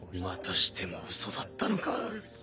またしてもウソだったのか。